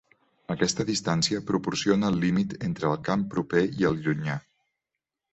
Aquesta distància proporciona el límit entre el camp proper i el llunyà.